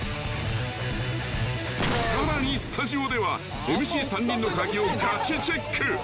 ［さらにスタジオではＭＣ３人の鍵をがちチェック］